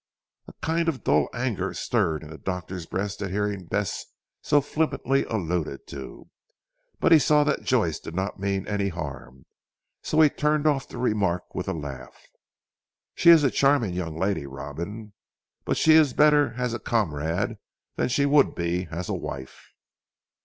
A kind of dull anger stirred in the doctor's breast at hearing Bess so flippantly alluded to. But he saw that Joyce did not mean any harm, so turned off the remark with a laugh. "She is a charming young lady Robin. But she is better as a comrade than she would be as a wife."